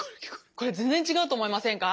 これ全然違うと思いませんか。